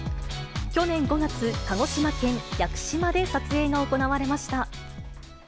去年５月、鹿児島県屋久島で撮影が行われました。